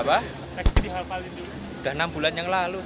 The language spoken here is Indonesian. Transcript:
sekarang sudah kemas